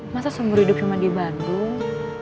masa seumur hidup cuma di bandung